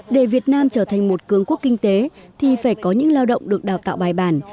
để việt nam trở thành một cường quốc kinh tế thì phải có những lao động được đào tạo bài bản